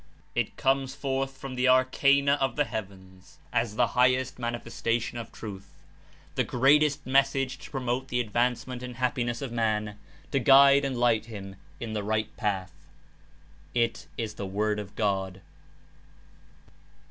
It comes forth from the Arcana of the heavens as the highest Manifes tation of Truth, the greatest Message to promote the advancement and happiness of man, to guide and light him in the *'Right Path." It is the Word of God.